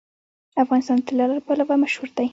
افغانستان د طلا لپاره مشهور دی.